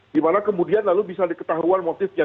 dimana kemudian lalu bisa diketahui motifnya